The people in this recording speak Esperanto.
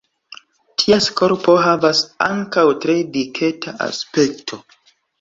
Ties korpo havas ankaŭ tre diketa aspekto.